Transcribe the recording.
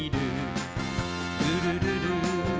「ルルルル」